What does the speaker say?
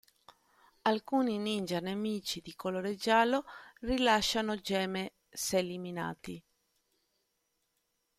Alcuni ninja nemici, di colore giallo, rilasciano gemme se eliminati.